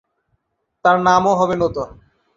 তার নামও হবে নতুন।